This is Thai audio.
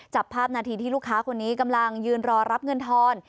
จับภาพนาทีที่ลูกค้าคนนี้กำลังยืนรอรับเงินทอน